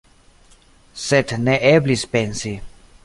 Sed ne eblis pensi.